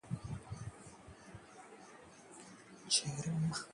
शिवराज की तारीफ कर फंसे कांग्रेसी विधायक, कांग्रेस बोली- झूठी है बीजेपी